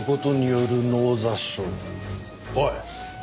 おい。